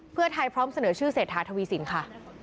เพื่อไทยพร้อมเสนอชื่อเศรษฐาทวีสินค่ะ